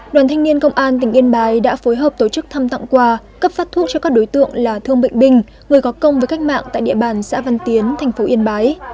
đoàn thanh niên công an tỉnh yên bái đã phối hợp tổ chức thăm tặng quà cấp phát thuốc cho các đối tượng là thương bệnh binh người có công với cách mạng tại địa bàn xã văn tiến thành phố yên bái